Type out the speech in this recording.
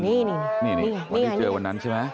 วันนี้เจอวันนั้นใช่ไหม